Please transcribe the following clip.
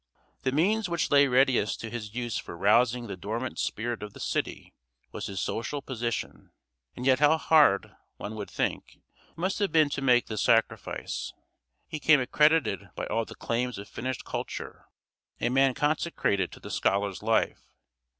The means which lay readiest to his use for rousing the dormant spirit of the city was his social position. And yet how hard, one would think, it must have been to make this sacrifice. He came accredited by all the claims of finished culture, a man consecrated to the scholar's life.